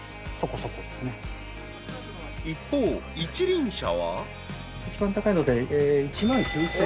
［一方一輪車は］